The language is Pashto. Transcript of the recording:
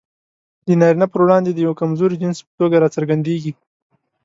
د نارينه پر وړاندې د يوه کمزوري جنس په توګه راڅرګندېږي.